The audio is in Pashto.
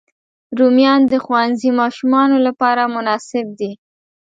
رومیان د ښوونځي ماشومانو لپاره مناسب دي